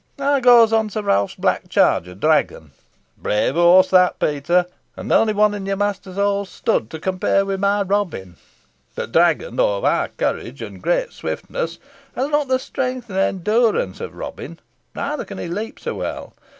How goes on Sir Ralph's black charger, Dragon? A brave horse that, Peter, and the only one in your master's whole stud to compare with my Robin! But Dragon, though of high courage and great swiftness, has not the strength and endurance of Robin neither can he leap so well.